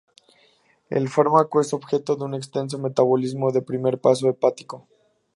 El fármaco es objeto de un extenso metabolismo de primer paso hepático.